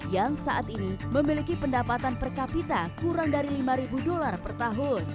yang saat ini memiliki pendapatan per kapita kurang dari rp lima puluh juta